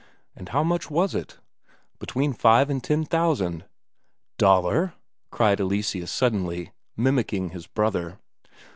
"And how much was it?" "Between five and ten thousand." "Daler?" cried Eleseus suddenly, mimicking his brother.